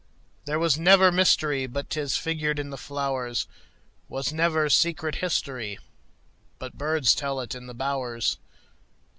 There was never mysteryBut 'tis figured in the flowers; SWas never secret historyBut birds tell it in the bowers.